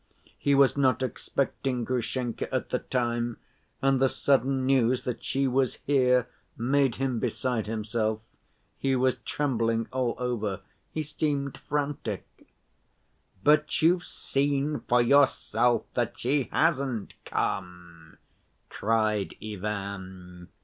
He was not expecting Grushenka at the time, and the sudden news that she was here made him beside himself. He was trembling all over. He seemed frantic. "But you've seen for yourself that she hasn't come," cried Ivan.